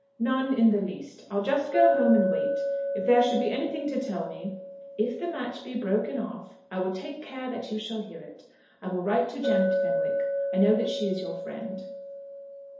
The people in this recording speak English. "None in the least. I'll just go home and wait. If there should be anything to tell me " "If the match be broken off, I will take care that you shall hear it. I will write to Janet Fenwick. I know that she is your friend."